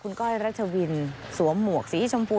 ก้อยรัชวินสวมหมวกสีชมพู